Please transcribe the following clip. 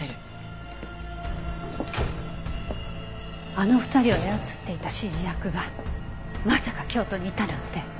あの２人を操っていた指示役がまさか京都にいたなんて。